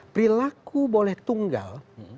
perilaku boleh tunggal